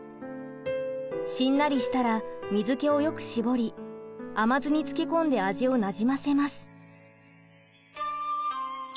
しんなりしたら水けをよく絞り甘酢に漬け込んで味をなじませます。